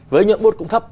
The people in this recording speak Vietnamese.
với nhuận bút cũng thấp